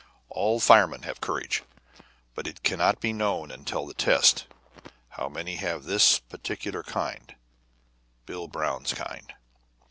All firemen have courage, but it cannot be known until the test how many have this particular kind Bill Brown's kind.